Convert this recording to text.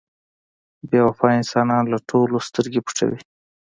• بې وفا انسان له ټولو سترګې پټوي.